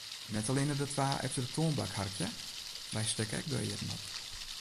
Net allinne de twa efter de toanbank harkje, wy stekke ek de earen op.